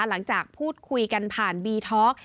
หลังจากพูดคุยกันผ่านบีท็อก